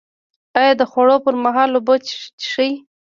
ایا د خوړو پر مهال اوبه څښئ؟